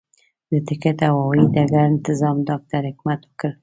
د ټکټ او هوايي ډګر انتظام ډاکټر حکمت وکړ.